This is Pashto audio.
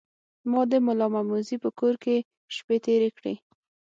ما د ملامموزي په کور کې شپې تیرې کړې.